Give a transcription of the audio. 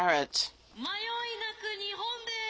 日本、迷いなく日本です。